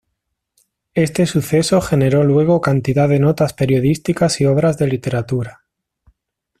Este suceso generó luego cantidad de notas periodísticas y obras de literatura.